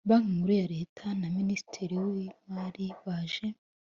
banki Nkuru ya Leta na Minisitiri w Imari baje